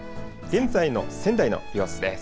現在の仙台の様子です。